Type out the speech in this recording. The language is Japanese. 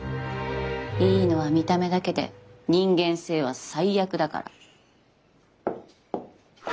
いいのは見た目だけで人間性は最悪だから。